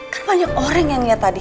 kan banyak orang yang lihat tadi